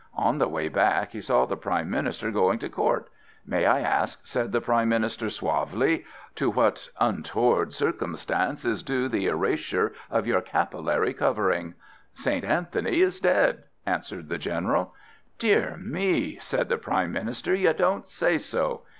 On the way back, he saw the Prime Minister going to Court. "May I ask," said the Prime Minister suavely, "to what untoward circumstance is due the erasure of your capillary covering?" "St. Anthony is dead," answered the General. "Dear, dear," said the Prime Minister, "you don't say so.